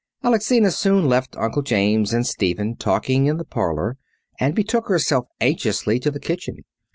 Alexina soon left Uncle James and Stephen talking in the parlour and betook herself anxiously to the kitchen.